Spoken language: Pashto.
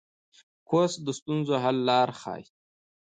کورس د ستونزو حل لاره ښيي.